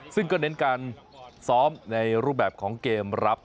ซึ่งก็เน้นการซ้อมในรูปแบบของเกมรับ